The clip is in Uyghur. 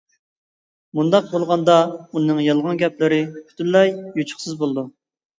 بۇنداق بولغاندا ئۇنىڭ يالغان گەپلىرى پۈتۈنلەي يوچۇقسىز بولىدۇ!